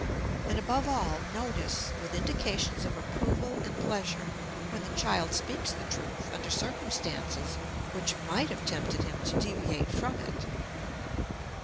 And, above all, notice, with indications of approval and pleasure, when the child speaks the truth under circumstances which might have tempted him to deviate from it.